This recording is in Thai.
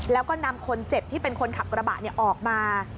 แล้วก็นำคนเจ็บที่เป็นคนขับกระบะออกมา